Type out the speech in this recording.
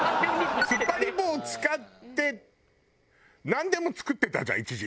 突っ張り棒を使ってなんでも作ってたじゃん一時。